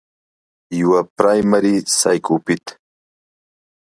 يوه پرائمري سايکوپېت